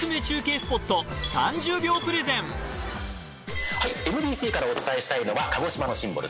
スポット３０秒プレゼンＭＢＣからお伝えしたいのは鹿児島のシンボル